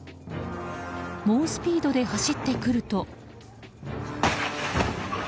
猛スピードで走ってくると。